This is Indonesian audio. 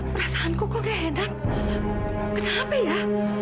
perasaanku kok gak enak kenapa ya